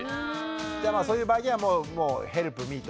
じゃあそういう場合にはもうヘルプミーと。